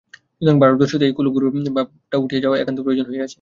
সুতরাং ভারতবর্ষ হইতে এই কুলগুরুর ভাবটি উঠিয়া যাওয়া একান্ত প্রয়োজন হইয়াছে।